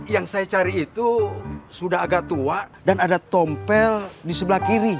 yang saya cari itu sudah agak tua dan ada tompel di sebelah kiri